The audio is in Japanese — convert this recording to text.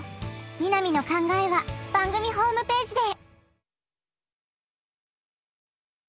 「みなみの考え」は番組ホームページで！